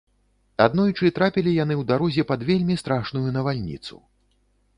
Аднойчы трапілі яны ў дарозе пад вельмі страшную навальніцу.